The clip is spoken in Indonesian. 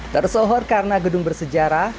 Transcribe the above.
tersohor karena gedung bersejarah